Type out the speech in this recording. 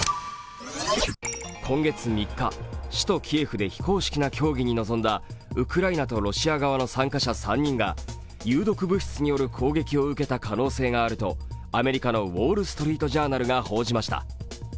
今月３日、首都キエフで非公式な協議に臨んだウクライナとロシア側の参加者３人が有毒物質による攻撃を受けた可能性があるとアメリカの「ウォール・ストリート・ジャーナル」が報じました。